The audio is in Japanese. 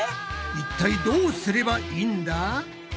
いったいどうすればいいんだ？